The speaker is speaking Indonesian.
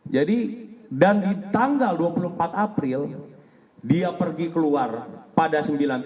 jadi dan di tanggal dua puluh empat april dia pergi keluar pada sembilan tiga puluh lima